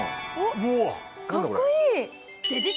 おっかっこいい！